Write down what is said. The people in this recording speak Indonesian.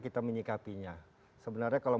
kita menyikapinya sebenarnya kalau